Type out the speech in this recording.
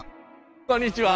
こんにちは。